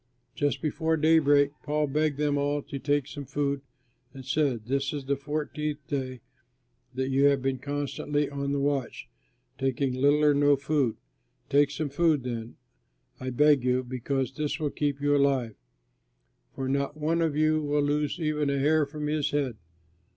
Just before daybreak Paul begged them all to take some food, and said, "This is the fourteenth day that you have been constantly on the watch, taking little or no food. Take some food, then, I beg of you, because this will keep you alive, for not one of you will lose even a hair from his head."